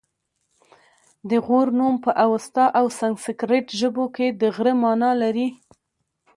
د غور نوم په اوستا او سنسګریت ژبو کې د غره مانا لري